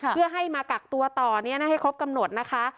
เพื่อให้มากักตัวต่อให้ครบกำหนดนะคะ